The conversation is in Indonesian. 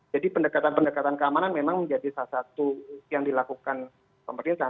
jadi pendekatan pendekatan keamanan memang menjadi salah satu yang dilakukan pemerintah